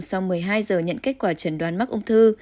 sau một mươi hai giờ nhận kết quả trần đoán mắc ung thư